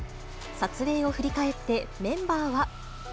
撮影を振り返ってメンバーは。